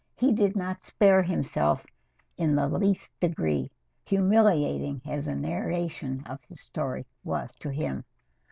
He did not spare himself in the least degree, humiliating as the narration of his story was to him.